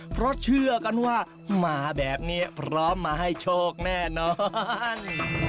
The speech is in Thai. เพราะเชื่อกันว่ามาแบบนี้พร้อมมาให้โชคแน่นอน